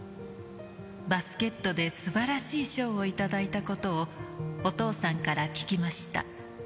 バスケットで素晴らしい賞を頂いたことをお父さんから聞きました。